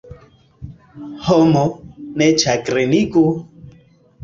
Homo, ne ĉagreniĝu!